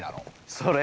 それ。